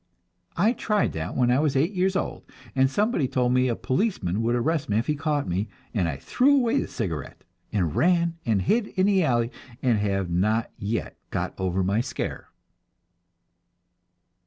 I tried that when I was eight years old, and somebody told me a policeman would arrest me if he caught me, and I threw away the cigarette, and ran and hid in an alley, and have not yet got over my scare.